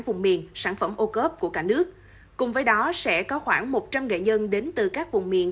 vùng miền sản phẩm ô cốp của cả nước cùng với đó sẽ có khoảng một trăm linh nghệ nhân đến từ các vùng miền